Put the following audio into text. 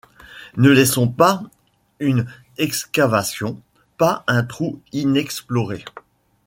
Ne laissons pas une excavation, pas un trou inexploré!